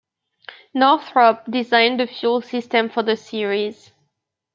Northrop designed the fuel system for the series.